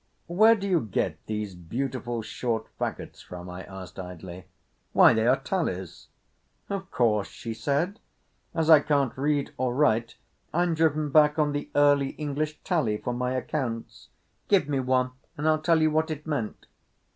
"Where do you get these beautiful short faggots from?" I asked idly. "Why, they are tallies!" "Of course," she said. "As I can't read or write I'm driven back on the early English tally for my accounts. Give me one and I'll tell you what it meant."